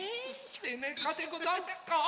せなかでござんすか？